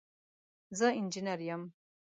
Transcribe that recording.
زه انجنیر یم